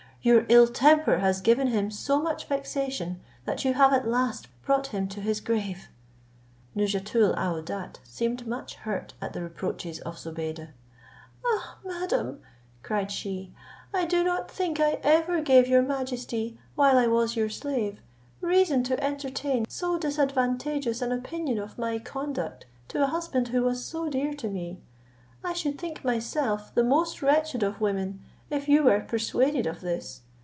Your ill temper has given him so much vexation, that you have at last brought him to his grave." Nouzhatoul aouadat seemed much hurt at the reproaches of Zobeide: "Ah, madam," cried she, "I do not think I ever gave your majesty, while I was your slave, reason to entertain so disadvantageous an opinion of my conduct to a husband who was so dear to me. I should think myself the most wretched of women if you were persuaded of this.